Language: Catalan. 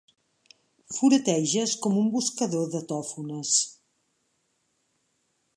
Fureteges com un buscador de tòfones.